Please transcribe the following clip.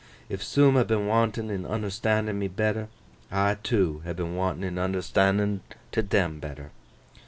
If soom ha' been wantin' in unnerstan'in me better, I, too, ha' been wantin' in unnerstan'in them better.